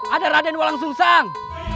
ada raden walang sung sang